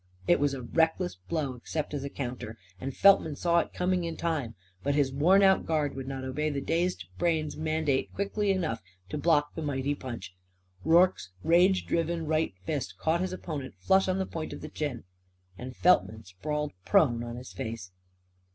It was a reckless blow, except as a counter. And Feltman saw it coming in time. But his worn out guard would not obey the dazed brain's mandate quickly enough to block the mighty punch. Rorke's rage driven right fist caught his opponent flush on the point of the chin. And Feltman sprawled prone on his face.